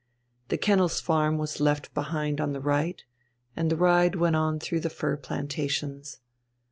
The Kennels Farm was left behind on the right, and the ride went on through the fir plantations.